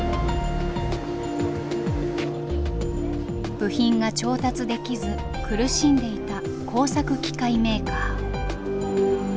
部品が調達できず苦しんでいた工作機械メーカー。